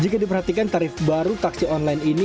jika diperhatikan tarif baru taksi online ini